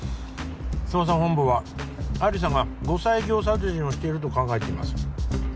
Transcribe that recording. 捜査本部は亜理紗が後妻業殺人をしていると考えています